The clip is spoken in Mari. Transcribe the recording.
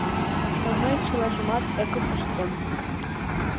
Но мый чылажымат ӧкым ыштем.